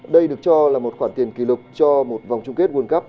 đây được cho là một khoản tiền kỷ lục cho một vòng chung kết world cup